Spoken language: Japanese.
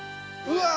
うわ！